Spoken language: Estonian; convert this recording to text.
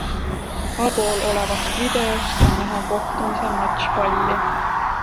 Allpool olevast videost on näha kohtumise matšpalli.